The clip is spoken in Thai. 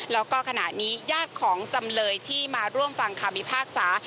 แล้วก็ขณะนี้ญาติของจำเลยที่มาร่วมฟังคำพิพากษา